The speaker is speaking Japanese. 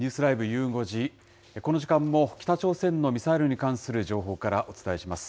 ゆう５時、この時間も北朝鮮のミサイルに関する情報からお伝えします。